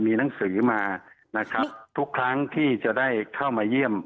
มีหนังสือมานะครับทุกครั้งที่จะได้เข้ามาเยี่ยม